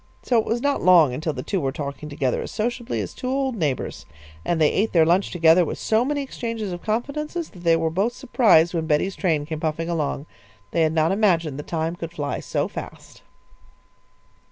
So it was not long until the two were talking together as sociably as two old neighbours, and they ate their lunch together with so many exchanges of confidences that they were both surprised when Betty's train came puffing along. They had not imagined the time could fly so fast.